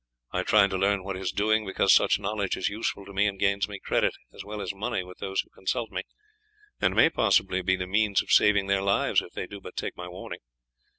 I try to learn what is doing, because such knowledge is useful to me and gains me credit as well as money with those who consult me, and may possibly be the means of saving their lives if they do but take my warning.